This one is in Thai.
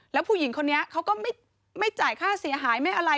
แล้วผู้หญิงคนนี้เขาก็ไม่จ่ายค่าเสียหายไม่อะไร